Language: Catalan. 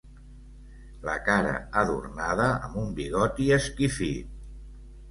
La cara adornada amb un bigoti esquifit.